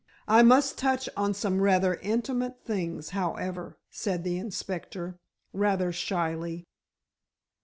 I must touch on some rather intimate things, however," said the inspector rather shyly.